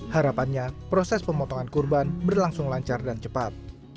harapannya proses pemotongan kurban berlangsung lancar dan cepat